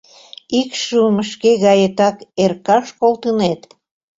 Икшывым шке гаетак эркаш колтынет!